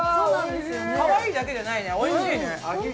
かわいいだけじゃないね、おいしい。